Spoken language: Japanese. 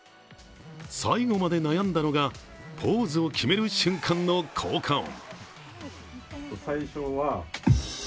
最後まで悩んだのがポーズを決める瞬間の効果音。